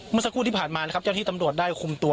เมื่อสักครู่ที่ผ่านมานะครับเจ้าที่ตำรวจได้คุมตัว